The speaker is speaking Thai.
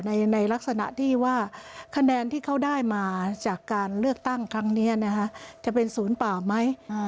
ในลักษณะที่ว่าคะแนนที่เขาได้มาจากการเลือกตั้งครั้งนี้จะเป็นศูนย์ป่าไหม